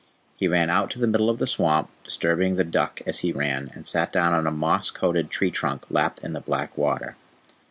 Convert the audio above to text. He ran out to the middle of the swamp, disturbing the duck as he ran, and sat down on a moss coated tree trunk lapped in the black water.